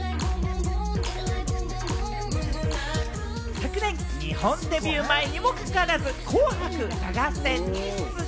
昨年、日本デビュー前にも関わらず、『紅白歌合戦』に出場。